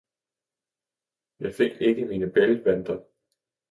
jeg fik ikke mine bælgvanter!